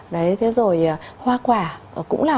đấy thế rồi hoa quả